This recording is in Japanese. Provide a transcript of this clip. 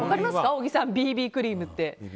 小木さんＢＢクリームって。